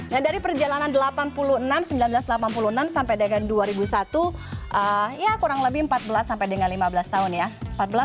nah dari perjalanan delapan puluh enam seribu sembilan ratus delapan puluh enam sampai dengan dua ribu satu ya kurang lebih empat belas sampai dengan lima belas tahun ya